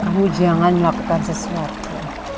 kamu jangan melakukan sesuatu